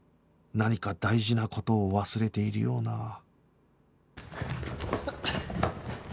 何か大事な事を忘れているような